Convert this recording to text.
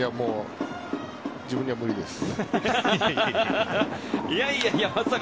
自分には無理です。